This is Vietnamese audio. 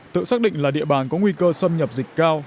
tự xác định là địa bàn có nguy cơ xâm nhập dịch cao